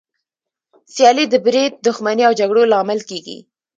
سیالي د بريد، دښمني او جګړو لامل کېږي.